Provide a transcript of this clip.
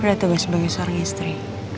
ada tugas sebagai seorang istri